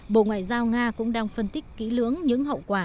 bộ ngoại giao nga cũng đang phân tích kỹ lưỡng những hậu quả